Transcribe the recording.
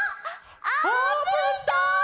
あーぷんだ！